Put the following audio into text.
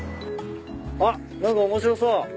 あっ何か面白そう。